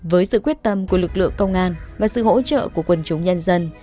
với sự quyết tâm của lực lượng công an và sự hỗ trợ của quần chúng nhân dân